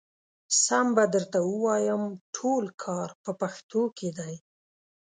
سم به درته ووايم ټول کار په پښتنو کې دی.